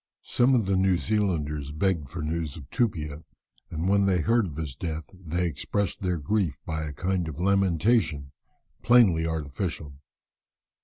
Some of the New Zealanders begged for news of Tupia, and when they heard of his death, they expressed their grief by a kind of lamentation plainly artificial.